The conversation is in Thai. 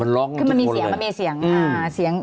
มันมีเสียง